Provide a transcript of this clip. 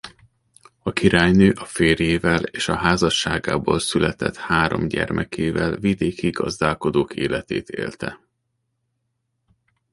A királynő a férjével és a házasságából született három gyermekével vidéki gazdálkodók életét élte.